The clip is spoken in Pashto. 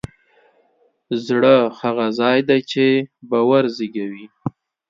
زړه هغه ځای دی چې باور زېږوي.